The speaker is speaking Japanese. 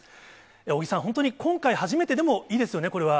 尾木さん、本当に今回初めてでもいいですよね、これは。